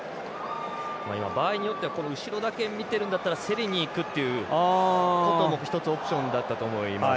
場合によっては後ろだけ見てるんだったら競りにいくっていうことも一つオプションだったと思います。